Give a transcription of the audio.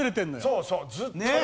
そうそうずっとね。